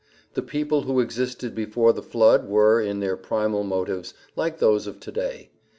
The people who existed before the flood were, in their primal motives, like those of today.